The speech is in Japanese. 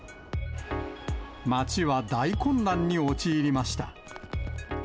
街は大混乱に陥りました。